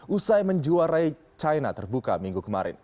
usai menjuarai china terbuka minggu kemarin